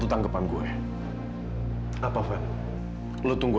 terbawa itu jadi al irish kandung